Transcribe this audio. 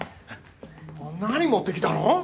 何持ってきたの？